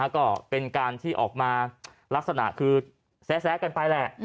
ก็เป็นการที่ออกมาลักษณะคือแซะกันไปแหละ